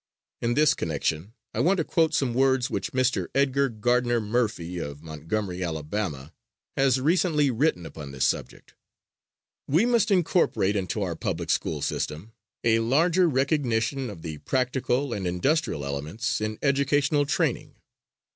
In this connection I want to quote some words which Mr. Edgar Gardner Murphy, of Montgomery, Alabama, has recently written upon this subject: "We must incorporate into our public school system a larger recognition of the practical and industrial elements in educational training.